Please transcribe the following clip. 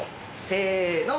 せの！